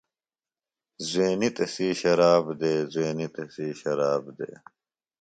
زُوینیۡ تسی شراب دےۡ زُوینی تسی شراب دےۡ۔